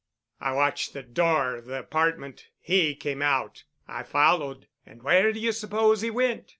"I watched the door of the apartment. He came out. I followed, and where do you suppose he went?